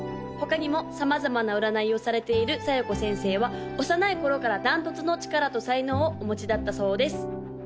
他にも様々な占いをされている小夜子先生は幼い頃から断トツの力と才能をお持ちだったそうです